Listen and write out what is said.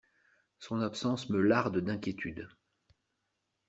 Son absence me larde d’inquiétude.